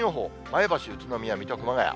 前橋、宇都宮、水戸、熊谷。